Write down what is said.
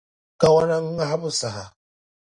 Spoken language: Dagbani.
kawana ŋahibu saha.